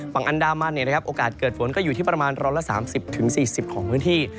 ฝั่งอันดามันโอกาสเกิดฝนก็อยู่ที่ประมาณ๑๓๐๔๐ของพื้นที่